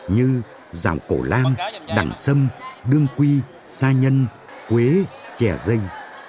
như rào cổ lam đẳng sâm đương quy sa nhân quế chè dây